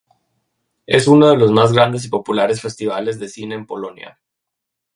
Es uno de los más grandes y populares festivales de cine en Polonia.